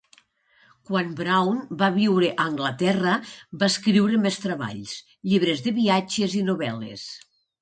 Quan Brown va viure a Anglaterra, va escriure més treballs: llibres de viatges i novel·les.